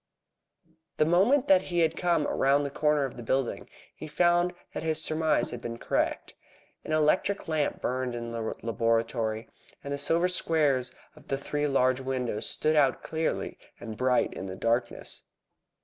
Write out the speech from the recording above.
The moment that he had come round the corner of the building he found that his surmise had been correct. An electric lamp burned in the laboratory, and the silver squares of the three large windows stood out clear and bright in the darkness.